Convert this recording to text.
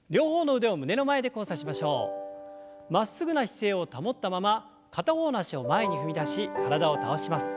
まっすぐな姿勢を保ったまま片方の脚を前に踏み出し体を倒します。